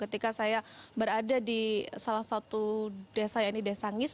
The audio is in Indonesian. ketika saya berada di salah satu desa yang ini desa angis